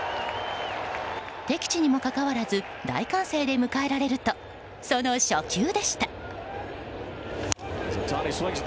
敵地にもかかわらず大歓声で迎えられるとその初球でした。